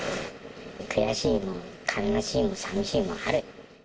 悔しい、悲しい、さみしいもある。